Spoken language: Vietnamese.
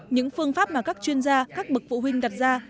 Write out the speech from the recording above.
những phương pháp mà các chuyên gia các bậc phụ huynh đặt ra